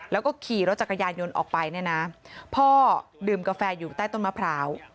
แล้วก็ขี่รถจักรยานยนต์ออกไปเนี่ยนะพ่อดื่มกาแฟอยู่ใต้ต้นมะพร้าว